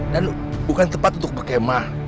dan bukan tempat untuk pakemah